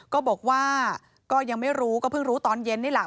ก็บอกว่าก็ยังไม่รู้ก็เพิ่งรู้ตอนเย็นนี่แหละ